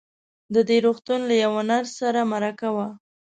د دې روغتون له يوه نرس سره مرکه وه.